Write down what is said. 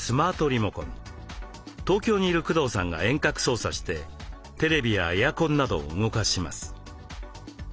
東京にいる工藤さんが遠隔操作してテレビやエアコンなどを動かします。